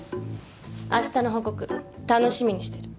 明日の報告楽しみにしてる。